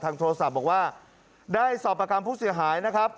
โทรศัพท์บอกว่าได้สอบประคำผู้เสียหายนะครับ